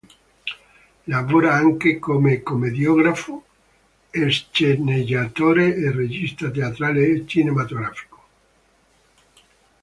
Lavora anche come commediografo, sceneggiatore e regista teatrale e cinematografico.